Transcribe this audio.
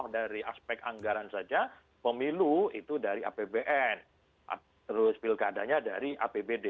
dari aspek anggaran saja pemilu itu dari apbn terus pilkadanya dari apbd